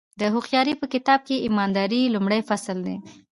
د هوښیارۍ په کتاب کې ایمانداري لومړی فصل دی.